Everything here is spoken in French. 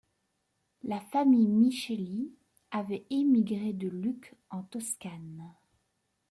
La famille Micheli avait émigré de Lucques en Toscane.